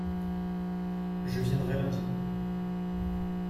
Je viendrai lundi.